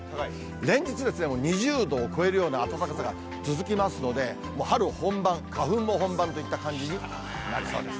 連日、２０度を超えるような暖かさが続きますので、春本番、花粉も本番といった感じになりそうです。